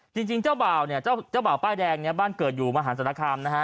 จริงเจ้าบ่าวเนี่ยเจ้าบ่าวป้ายแดงเนี่ยบ้านเกิดอยู่มหาศาลคามนะฮะ